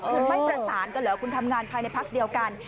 ๕๒โมงคือไม่ประสานกันเหรอคุณทำงานภายในภาคเดียวกัน